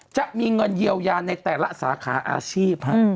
จะมีเงินเยียวยาในแต่ละสาขาอาชีพ